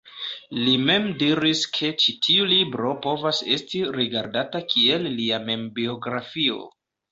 Li mem diris ke ĉi tiu libro povas esti rigardata kiel lia membiografio.